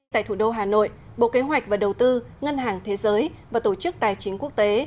tại thủ đô hà nội bộ kế hoạch và đầu tư ngân hàng thế giới và tổ chức tài chính quốc tế